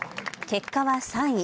結果は３位。